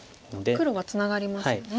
黒はツナがりますよね。